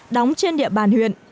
đóng trên địa bàn huyện